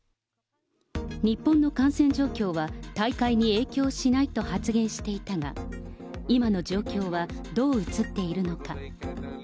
日本の感染状況は大会に影響しないと発言していたが、今の状況はどう映っているのか。